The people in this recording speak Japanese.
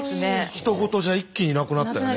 ひと事じゃ一気になくなったよね。